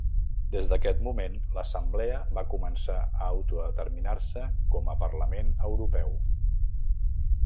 Des d'aquest moment, l'Assemblea va començar a autodeterminar-se com a Parlament Europeu.